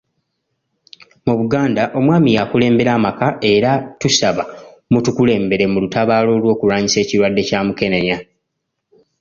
Mu Buganda omwami y'akulembera amaka era tusaba mutukulembere mu lutabaalo olw'okulwanyisa ekirwadde kya Mukenenya..